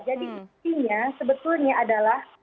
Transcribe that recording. jadi istrinya sebetulnya adalah